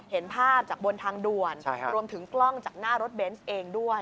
เห็นภาพจากบนทางด่วนรวมถึงกล้องจากหน้ารถเบนส์เองด้วย